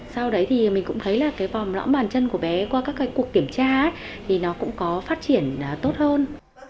sau đấy thì mình cũng thấy là cái vòm lõm bàn chân của bé qua các cái cuộc kiểm tra thì nó cũng có phát triển tốt hơn